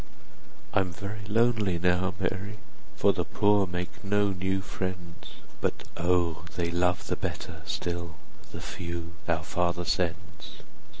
I'm very lonely now, Mary, 25 For the poor make no new friends, But, O, they love the better still, The few our Father sends!